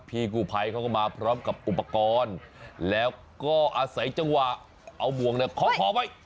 พี่กูภัยเขาก็มาพร้อมกับอุปกรณ์แล้วก็อาศัยจังหวะเอาบ่วงเนี่ยเคาะคอไว้